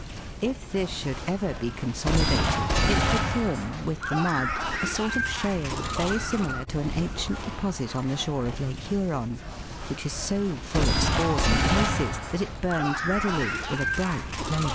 If this should ever be consolidated it would form, with the mud, a sort of shale very similar to an ancient deposit on the shore of Lake Huron, which is so full of spores and cases that it burns readily with a bright flame.